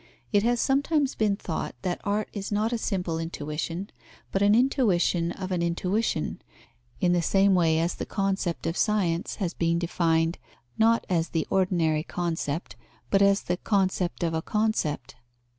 It has sometimes been thought that art is not a simple intuition, but an intuition of an intuition, in the same way as the concept of science has been defined, not as the ordinary concept, but as the concept of a concept.